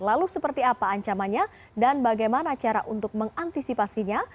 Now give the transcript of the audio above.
lalu seperti apa ancamannya dan bagaimana cara untuk mengantisipasinya